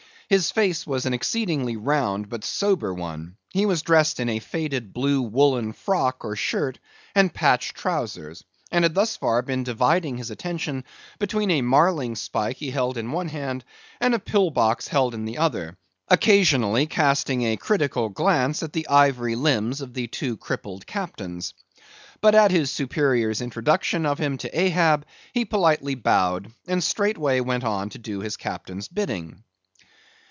His face was an exceedingly round but sober one; he was dressed in a faded blue woollen frock or shirt, and patched trowsers; and had thus far been dividing his attention between a marlingspike he held in one hand, and a pill box held in the other, occasionally casting a critical glance at the ivory limbs of the two crippled captains. But, at his superior's introduction of him to Ahab, he politely bowed, and straightway went on to do his captain's bidding.